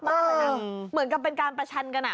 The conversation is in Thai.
เหมือนกับเป็นการประชันกันอ่ะ